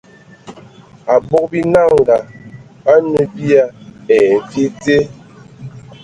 Abog binanga a nə bia ai mfi dze.